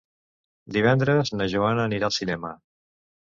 Divendres na Joana anirà al cinema.